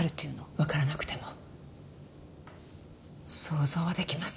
わからなくても想像はできます。